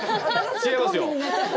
違いますよ！